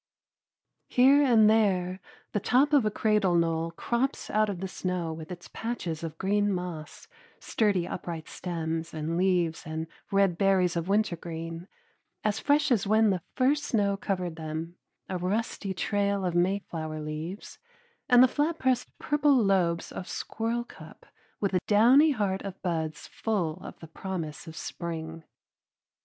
Here and there the top of a cradle knoll crops out of the snow with its patches of green moss, sturdy upright stems and leaves and red berries of wintergreen, as fresh as when the first snow covered them, a rusty trail of mayflower leaves, and the flat pressed purple lobes of squirrelcup with a downy heart of buds full of the promise of spring.